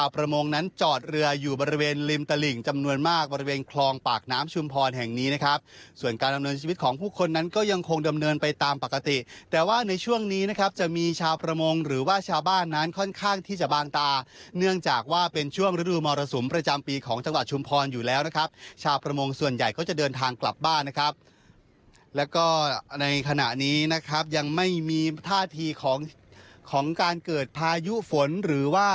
ประมงนั้นจอดเรืออยู่บริเวณริมตลิ่งจำนวนมากบริเวณคลองปากน้ำชุมพรแห่งนี้นะครับส่วนการดำเนินชีวิตของผู้คนนั้นก็ยังคงดำเนินไปตามปกติแต่ว่าในช่วงนี้นะครับจะมีชาวประมงหรือว่าชาวบ้านนั้นค่อนข้างที่จะบางตาเนื่องจากว่าเป็นช่วงฤดูมรสุมประจำปีของจังหวัดชุมพรอยู่แล้วนะครับช